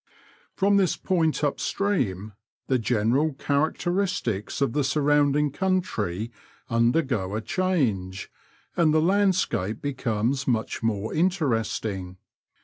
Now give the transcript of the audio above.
From this point up stream the general characteristics of the surrounding country undergo a change, and the landscape becomes much more interesting.